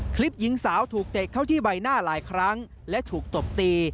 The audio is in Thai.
คลิปหญิงสาวถูกเตะเข้าที่ใบหน้าหลายครั้งและถูกตบตี